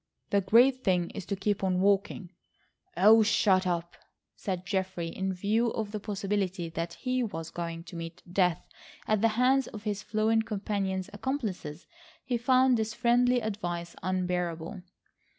The great thing is to keep on walking—" "Oh, shut up," said Geoffrey. In view of the possibility that he was going to meet death at the hands of his fluent companion's accomplices he found this friendly advice unbearable.